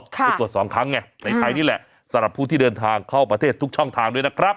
ไปตรวจสองครั้งไงในไทยนี่แหละสำหรับผู้ที่เดินทางเข้าประเทศทุกช่องทางด้วยนะครับ